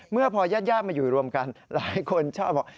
เมื่อพอญาติมาอยู่รวมกันหลายคนชอบบอก